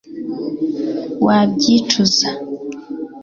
wabyicuza